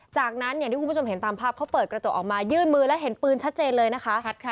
จากนั้นอย่างที่คุณผู้ชมเห็นตามภาพเขาเปิดกระจกออกมายื่นมือแล้วเห็นปืนชัดเจนเลยนะคะ